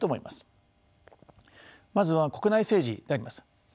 まずは国内政治であります。